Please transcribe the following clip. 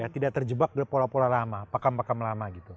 tidak terjebak dari pola pola lama pakam pakam lama gitu